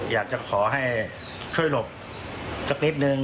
อยากจะขอให้ช่วยหลบสักนิดนึง